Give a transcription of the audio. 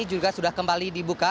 juga sudah kembali dibuka